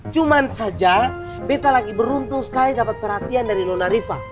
cuma saja beta lagi beruntung sekali dapat perhatian dari lona riva